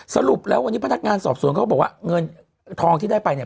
สรุปแล้ววันนี้พนักงานสอบสวนเขาบอกว่าเงินทองที่ได้ไปเนี่ย